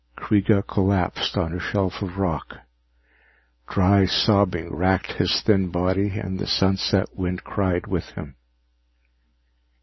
Kreega collapsed on a shelf of rock. Dry sobbing racked his thin body, and the sunset wind cried with him.